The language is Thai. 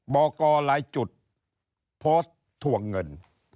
บอกกรหลายจุดโพสต์ถ่วงเงิน